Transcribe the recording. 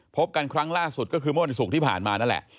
พบกันครั้งล่าสุดก็คือเมื่อวันศุกร์ที่ผ่านมานั่นแหละ